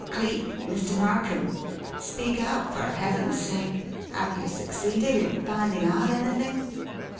Cleek Mr. Narkom speak up, for heaven's sake. Have you succeeded in finding out anything?"